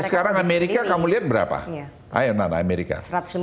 ya sekarang amerika kamu lihat berapa ayo nana amerika